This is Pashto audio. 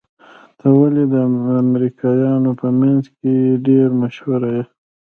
ته ولې د امريکايانو په منځ کې ډېر مشهور يې؟